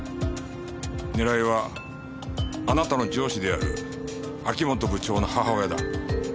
狙いはあなたの上司である秋本部長の母親だ。